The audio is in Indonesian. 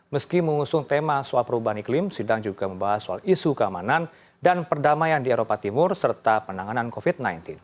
meski mengusung tema soal perubahan iklim sidang juga membahas soal isu keamanan dan perdamaian di eropa timur serta penanganan covid sembilan belas